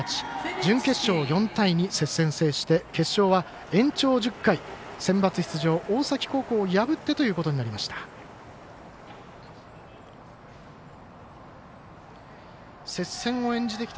準決勝４対２、接戦制して決勝は延長１０回センバツ出場の大崎高校を破ってということになりました。